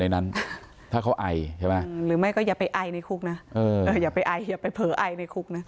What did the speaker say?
นั้นถ้าเขาไอใช่ไหมหรือไม่ก็อย่าไปไอในคุกนะอย่าไปไออย่าไปเผลอไอในคุกนะ